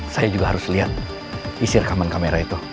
saya juga harus lihat isi rekaman kamera itu